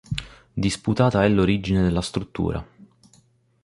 Disputata è l'origine della struttura.